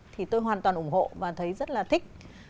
thì tôi hoàn toàn ủng hộ và thấy rất là thích